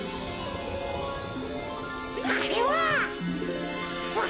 あれは！